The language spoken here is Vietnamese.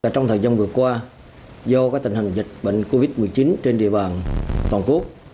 trong thời gian vừa qua do tình hình dịch bệnh covid một mươi chín trên địa bàn toàn quốc